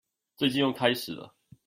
最近又開始了